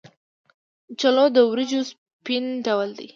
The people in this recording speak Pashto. چلو د وریجو سپین ډول دی.